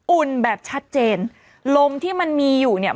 อุ่นแบบชัดเจนลมที่มันมีอยู่เนี่ย